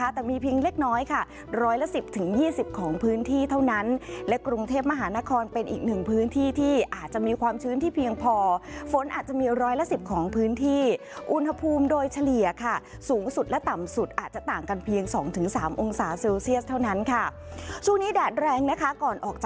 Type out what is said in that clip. แต่มีเพียงเล็กน้อยค่ะร้อยละสิบถึงยี่สิบของพื้นที่เท่านั้นและกรุงเทพมหานครเป็นอีกหนึ่งพื้นที่ที่อาจจะมีความชื้นที่เพียงพอฝนอาจจะมีร้อยละสิบของพื้นที่อุณหภูมิโดยเฉลี่ยค่ะสูงสุดและต่ำสุดอาจจะต่างกันเพียงสองถึงสามองศาเซลเซียสเท่านั้นค่ะช่วงนี้แดดแรงนะคะก่อนออกจาก